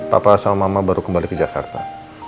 papa sama mama baru kembali ke jakarta